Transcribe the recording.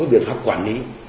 biện pháp quản lý